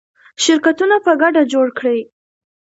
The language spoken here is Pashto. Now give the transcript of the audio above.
شرکتونه په ګډه جوړ کړئ.